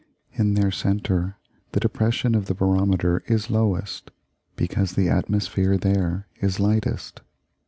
In their centre the depression of the barometer is lowest, because the atmosphere there is lightest.